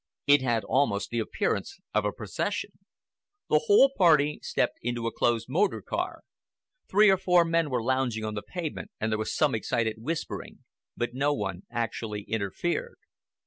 It had almost the appearance of a procession. The whole party stepped into a closed motor car. Three or four men were lounging on the pavement and there was some excited whispering, but no one actually interfered.